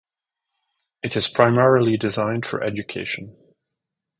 It is primarily designed for education.